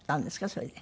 それで。